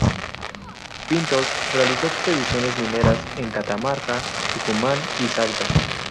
Pintos realizó expediciones mineras en Catamarca, Tucumán y Salta.